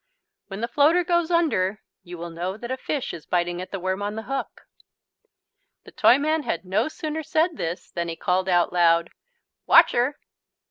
"When the floater goes under, you will know that a fish is biting at the worm on the hook." The Toyman had no sooner said this than he called out loud: "Watch 'er!"